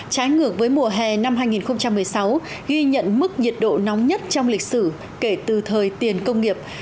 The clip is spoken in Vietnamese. trái ngược với mùa hè năm hai nghìn một mươi sáu ghi nhận mức nhiệt độ nóng nhất trong lịch sử kể từ thời tiền công nghiệp